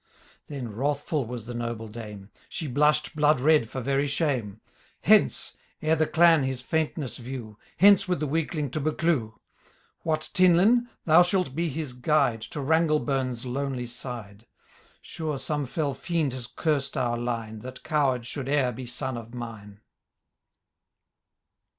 Then wrathful was the noble dame ; She blush'd blood red for very shame .—" Hence ! ere the clan his faintness view ; Hence with the weakling to Buccleuch !— Watt Tinlinn, thou shalt be his guide To Ranglebum's lonely side . Sure some fell fiend has cursed our line. That coward should e'er be son of mine